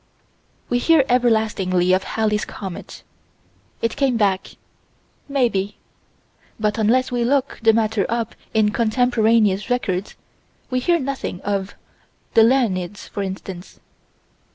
We hear everlastingly of Halley's comet. It came back maybe. But, unless we look the matter up in contemporaneous records, we hear nothing of the Leonids, for instance.